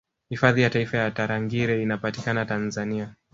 Hifadhi ya Taifa ya Tarangire inapatikana Tanzania